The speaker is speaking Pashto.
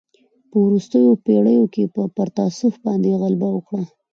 په وروستیو پېړیو کې پر تصوف باندې غلبه وکړه.